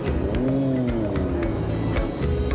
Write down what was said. ซูชิก็มี